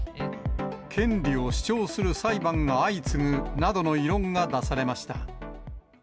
権利を主張する裁判が相次ぐなどの異論が出されました。